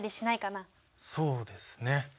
そうですね。